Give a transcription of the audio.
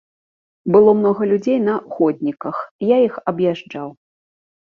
Было многа людзей на ходніках, я іх аб'язджаў.